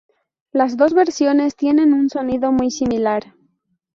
Las dos versiones tienen un sonido muy similar.